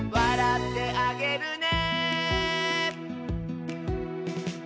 「おどってあげるね」